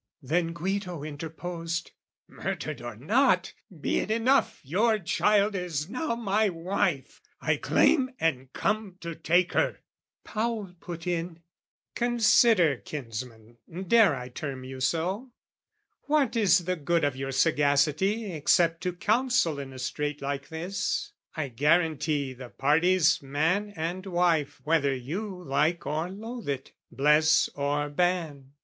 The Guido interposed "Murdered or not, "Be it enough your child is now my wife! "I claim and come to take her." Paul put in, "Consider kinsman, dare I term you so? "What is the good of your sagacity "Except to counsel in a strait like this? "I guarantee the parties man and wife "Whether you like or loathe it, bless or ban.